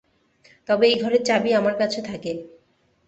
তবে এই ঘরের চাবি আমার কাছে থাকে।